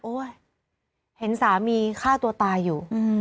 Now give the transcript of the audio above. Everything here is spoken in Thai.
เห็นสามีฆ่าตัวตายอยู่